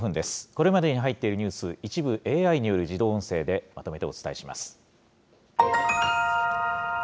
これまでに入っているニュース、一部ＡＩによる自動音声でまとめてお伝えします。